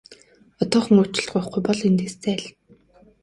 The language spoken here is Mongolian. Одоохон уучлалт гуйхгүй бол эндээс зайл!